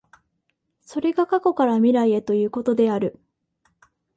それが過去から未来へということである。